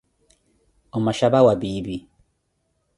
O Machapa wa piipi